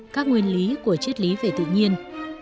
các nguyên lý của triết lý về tự nhiên